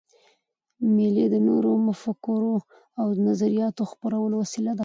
مېلې د نوو مفکورو او نظریاتو خپرولو وسیله ده.